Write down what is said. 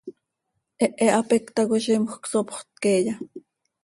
¿Hehe hapéc tacoi zímjöc sopxöt queeya?